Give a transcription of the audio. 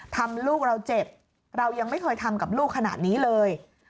ลูกเราเจ็บเรายังไม่เคยทำกับลูกขนาดนี้เลย